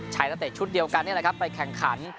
นักเตะชุดเดียวกันนี่แหละครับไปแข่งขัน